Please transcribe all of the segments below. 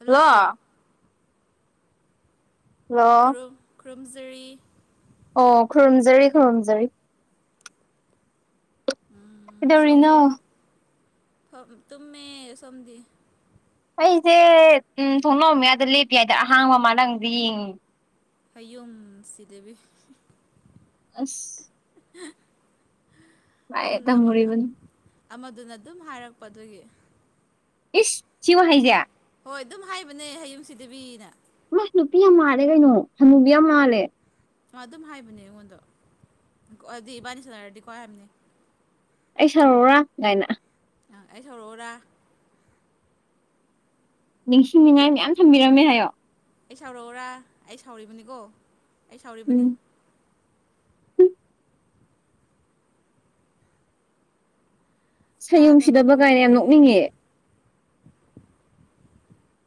Hello! Hello ꯈꯨꯔꯨꯝ ꯈꯨꯔꯨꯝꯖꯔꯤ꯫ ꯑꯣ ꯈꯨꯔꯨꯝꯖꯔꯤ ꯈꯨꯔꯨꯝꯖꯔꯤ꯫ ꯎꯝ ꯀꯩꯗꯧꯔꯤꯅꯣ ꯁꯣꯝꯕꯨ, ꯇꯨꯝꯃꯦ ꯁꯣꯝꯗꯤ? ꯑꯩꯁꯦ ꯎꯝ ꯊꯣꯡꯅꯥꯎ ꯃꯌꯥꯗꯥ ꯂꯦꯞꯄꯤ ꯍꯥꯏꯗ ꯑꯍꯥꯡꯕ ꯃꯥꯂꯪꯗꯤ ꯌꯦꯡ ꯍꯥꯌꯨꯝ ꯁꯤꯗꯕꯤ ꯑꯁ ꯂꯥꯏꯔꯤꯛ ꯅꯃꯥ ꯇꯝꯃꯨꯔꯤꯕꯅꯤ ꯑꯃꯗꯨꯅ ꯑꯗꯨꯝ ꯍꯥꯏꯔꯛꯄ ꯑꯗꯨꯒꯤ ꯏꯁ ꯁꯤ ꯋꯥꯍꯩꯖꯦ ꯍꯣꯏ ꯑꯗꯨꯝ ꯍꯥꯏꯕꯅꯦ ꯍꯌꯨꯝ ꯁꯤꯗꯕꯤꯅ ꯃꯥ ꯅꯨꯄꯤ ꯌꯥꯝ ꯃꯥꯜꯂꯦ ꯀꯩꯅꯣ ꯍꯅꯨꯕꯤ ꯌꯥꯝ ꯃꯥꯜꯂꯦ ꯃꯥ ꯑꯗꯨꯝ ꯍꯥꯏꯕꯅꯦ ꯑꯩꯉꯣꯟꯗꯣ [unintelligible] ꯗꯤ ꯏꯕꯥꯅꯤ ꯁꯥꯟꯅꯔꯗꯤ ꯀꯣ ꯍꯥꯏꯕꯅꯦ ꯑꯩ ꯁꯥꯎꯔꯧꯔꯥ ꯒꯥꯏꯅ ꯑꯥ ꯑꯩ ꯁꯥꯎꯔꯣꯔꯥ ꯑꯩ ꯅꯤꯡꯁꯤꯡꯅꯤꯉꯥꯏ ꯃꯌꯥꯝ ꯊꯝꯕꯤꯔꯝꯃꯦ ꯍꯥꯏꯌꯣ ꯑꯩ ꯁꯥꯎꯔꯛꯎꯔꯥ ꯑꯩ ꯁꯥꯎꯔꯤꯕꯅꯤꯀꯣ ꯑꯩ ꯁꯥꯎꯔꯤꯕꯅꯤ ꯎꯝ ꯁꯥꯌꯨꯝ ꯇꯥꯗꯕ ꯁꯤꯗꯕ ꯀꯥꯏꯅ ꯀꯨꯏꯔꯦ ꯌꯥꯝ ꯅꯣꯛꯅꯤꯡꯉꯦ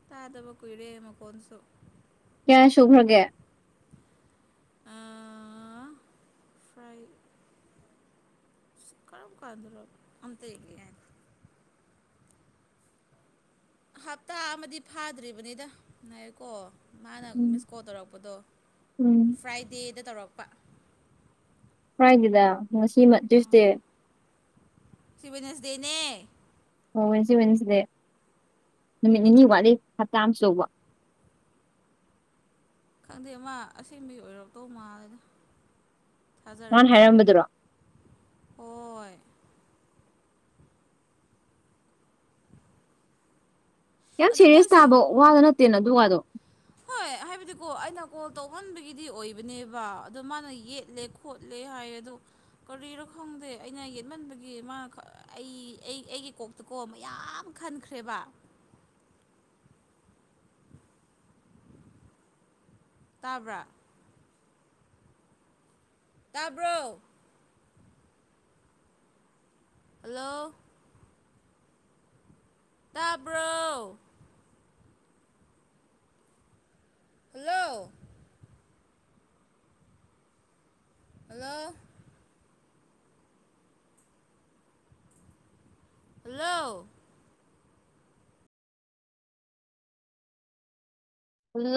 ꯇꯥꯗꯕ ꯀꯨꯏꯔꯦ ꯃꯈꯣꯟꯁꯨ ꯀꯌꯥꯔꯛ ꯁꯨꯈ꯭ꯔꯥꯒꯦ ꯑ, ꯁꯤ ꯀꯔꯝ ꯀꯥꯟꯗꯥꯔꯣ ꯑꯝꯇꯥ ꯌꯦꯡꯒꯦ ꯉꯥꯏꯈꯣ ꯍꯞꯇꯥ ꯑꯃꯗꯤ ꯐꯥꯗ꯭ꯔꯤꯕꯅꯤꯗꯥ ꯉꯥꯏꯌꯨꯀꯣ ꯃꯥꯅ ꯎꯝ ꯃꯤꯁ ꯀꯣꯜ ꯇꯧꯔꯛꯄꯗꯣ ꯎꯝ ꯐ꯭ꯔꯥꯏꯗꯦꯗꯥ ꯇꯧꯔꯛꯄ ꯐ꯭ꯔꯥꯏꯗꯦꯗꯥ ꯉꯁꯤ ꯃꯟ ꯑꯥ ꯇ꯭ꯌꯨꯁꯗꯦ ꯁꯤ ꯋꯦꯠꯅꯦꯁ ꯗꯦꯅꯦ ꯑꯣ ꯋꯦꯅꯁꯗꯦ ꯋꯦꯅꯁꯗꯦ ꯅꯨꯃꯤꯠ ꯅꯤꯅꯤ ꯋꯥꯠꯂꯤ ꯍꯞꯇꯥ ꯑꯝ ꯁꯨꯗꯧꯕ ꯈꯪꯗꯦ ꯑꯃ ꯑꯁꯦꯡꯕꯤ ꯑꯣꯏꯔꯛꯇꯧ ꯃꯥꯜꯂꯦꯗ ꯃꯥꯅ ꯊꯥꯖꯔꯛꯇ꯭ꯔꯦ ꯍꯥꯏꯔꯝꯕꯗꯨꯔꯣ ꯍꯣꯏ ꯌꯥꯝ ꯑꯗꯣ ꯁꯦꯔꯤꯌꯁ ꯃꯣꯏꯁꯦ ꯇꯥꯕ ꯋꯥꯗ ꯅꯠꯇꯦꯅ ꯑꯗꯨ ꯋꯥꯗꯣ ꯍꯣꯏ ꯍꯥꯏꯕꯗꯤꯀꯣ ꯑꯩꯅ ꯀꯣꯜ ꯇꯧꯍꯟꯕꯒꯤꯗꯤ ꯑꯣꯏꯕꯅꯦꯕ ꯑꯗꯣ ꯃꯥꯅ ꯌꯦꯠꯂꯦ ꯈꯣꯠꯂꯦ ꯍꯥꯏ ꯑꯗꯣ ꯀꯔꯤꯔꯣ ꯈꯪꯗꯦ ꯑꯩꯅ ꯌꯦꯠꯃꯟꯕꯒꯤ ꯃꯥ ꯈꯥ ꯑꯩ ꯑꯩ ꯑꯩꯒꯤ ꯀꯣꯛ ꯇꯥꯀꯣ ꯃꯌꯥꯝ ꯈꯟꯈ꯭ꯔꯦꯕ ꯇꯥꯕ꯭ꯔꯥ ꯇꯥꯕ꯭ꯔꯣ ꯍꯜꯂꯣ ꯇꯥꯕ꯭ꯔꯣ ꯍꯜꯂꯣ ꯍꯜꯂꯣ ꯍꯜꯂꯣ ꯍꯜꯂꯣ